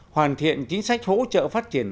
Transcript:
hoàn thiện chính sách hỗ trợ phát triển